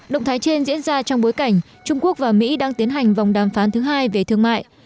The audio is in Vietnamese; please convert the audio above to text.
động thái trên diễn ra trong bối cảnh trung quốc và mỹ đang tiến hành vòng đàm phán thứ hai về thương mại